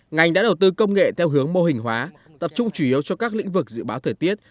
ngành đã đầu tư công nghệ theo hướng mô hình hóa tập trung chủ yếu cho các lĩnh vực dự báo thời tiết